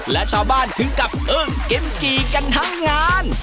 และชาวบ้านถึงกับเก็มกี่กันทั้งงาน